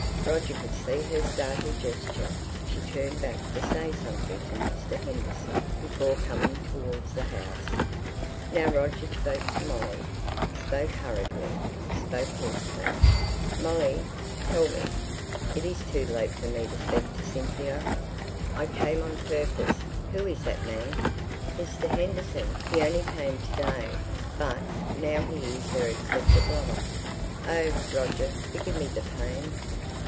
Roger could see her startled gesture; she turned back to say something to Mr. Henderson before coming towards the house. Now Roger spoke to Molly spoke hurriedly, spoke hoarsely. [Illustration: CYNTHIA'S LAST LOVER.] "Molly, tell me! Is it too late for me to speak to Cynthia? I came on purpose. Who is that man?" "Mr. Henderson. He only came to day but now he is her accepted lover. Oh, Roger, forgive me the pain!"